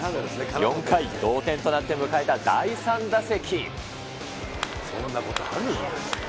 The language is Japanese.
４回、同点となって迎えた第３打席。